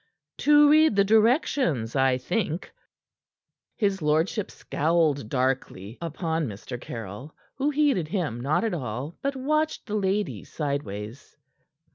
"To read the directions, I think." His lordship scowled darkly upon Mr. Caryll, who heeded him not at all, but watched the lady sideways.